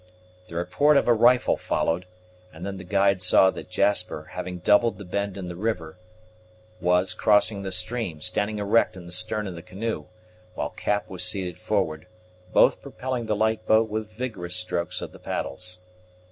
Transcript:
The report of a rifle followed; and then the guide saw that Jasper, having doubled the bend in the river, was crossing the stream, standing erect in the stern of the canoe, while Cap was seated forward, both propelling the light boat with vigorous strokes of the paddles.